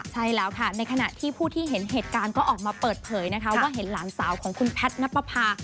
ใช่แล้วค่ะในขณะที่ผู้ที่เห็นเหตุการณ์ก็ออกมาเปิดเผยนะคะว่าเห็นหลานสาวของคุณแพทย์นับประพา